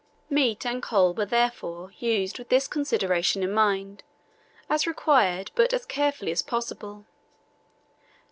Meat and coal were, therefore, used with this consideration in mind, as required but as carefully as possible.